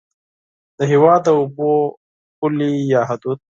د هېواد د اوبو پولې یا حدود